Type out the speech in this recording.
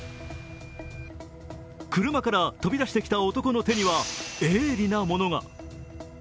車から飛び出してきた男の手には鋭利なものが。